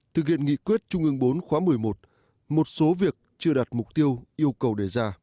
thực hiện nghị quyết trung ương bốn khóa một mươi một một số việc chưa đạt mục tiêu yêu cầu đề ra